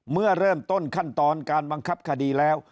เมื่อเริ่มต้นขั้นตอนการบังคับคดีแล้ว